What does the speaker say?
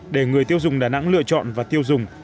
để người tiêu dùng đà nẵng lựa chọn và tiêu dùng